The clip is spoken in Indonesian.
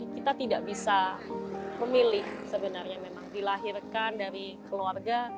kita tidak bisa memilih sebenarnya memang dilahirkan dari keluarga